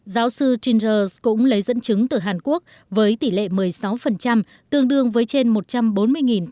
giáo sư tringers cũng lấy dẫn chứng từ hàn quốc với tỷ lệ một mươi sáu tương đương với trên một trăm bốn mươi